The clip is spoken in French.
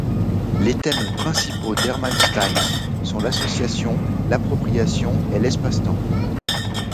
Les thèmes principaux d'Herman Steins sont l'association, l'appropriation et l'espace temps.